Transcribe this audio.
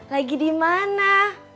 lagi di mana